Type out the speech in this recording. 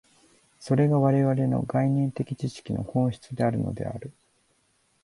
それが我々の概念的知識の本質であるのである。